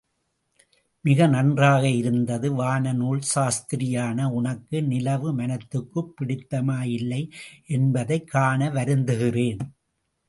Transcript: மிக நன்றாக இருந்தது! வான நூல் சாஸ்திரியான உனக்கு நிலவு மனதுக்குப் பிடித்தமாயில்லை என்பதைக் காண வருந்துகிறேன்.